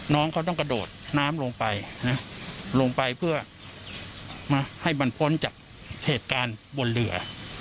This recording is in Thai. น้องเขาต้องกระโดดน้ำลงไปลงไปเพื่อมาให้มันพ้นจากเหตุการณ์บนเรือ